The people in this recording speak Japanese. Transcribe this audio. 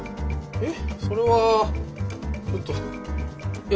えっ？